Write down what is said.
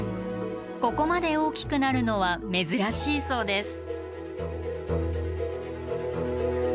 ここまで大きくなるのは珍しいそうです。